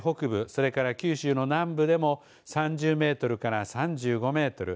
それから九州の南部でも３０メートルから３５メートル